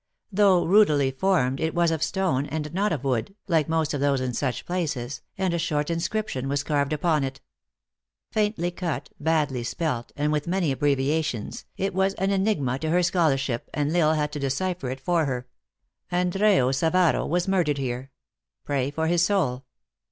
Though rudely formed, it was of stone, and not of wood, like most of those in such places, and a short inscription was carv THE ACTEESS IN HIGH LIFE. 121 ed upon it. Faintly cut, badly spelt, and with many abbreviations, it was an enigma to her scholarship, and L Isle had to decipher it for her :" Andreo Sav aro was murdered here. Pray for his soul."